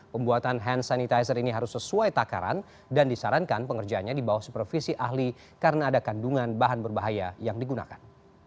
pembuatan hand sanitizer ini harus sesuai takaran dan disarankan pengerjaannya di bawah supervisi ahli karena ada kandungan bahan berbahaya yang digunakan